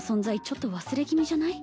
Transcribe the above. ちょっと忘れ気味じゃない？